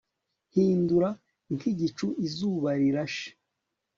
Hindura nkigicu izuba rirashe